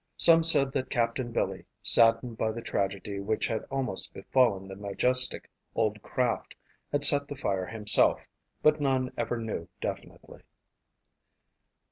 Some said that Captain Billy, saddened by the tragedy which had almost befallen the majestic old craft, had set the fire himself but none ever knew definitely.